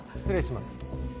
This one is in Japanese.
失礼します。